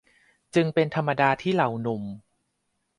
จึงเป็นธรรมดาที่เหล่าหนุ่ม